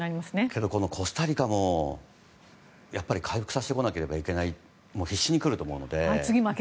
けど、このコスタリカも回復させてこなければいけない必死に来ると思うので。